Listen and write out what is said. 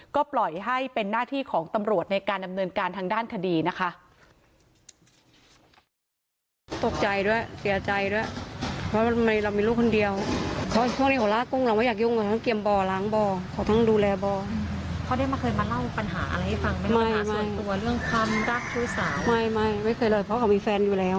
ก็ปล่อยให้เป็นหน้าที่ของตำรวจในการดำเนินการทางด้านคดีนะคะ